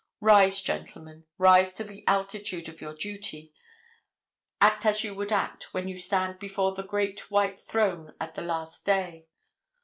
Rise, gentlemen, rise to the altitude of your duty. Act as as you would act when you stand before the great white throne at the last day.